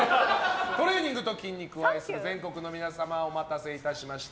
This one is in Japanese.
トレーニングと筋肉を愛する全国の皆様お待たせいたしました。